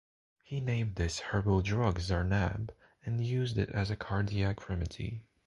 He named this herbal drug "Zarnab" and used it as a cardiac remedy.